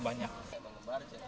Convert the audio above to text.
memang kebar ya